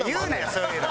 そういうの。